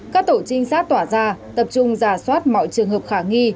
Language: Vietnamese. các tổ trinh sát tỏa ra tập trung giả soát mọi trường hợp khả nghi